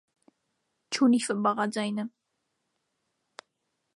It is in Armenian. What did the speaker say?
Չունի ֆ բաղաձայնը։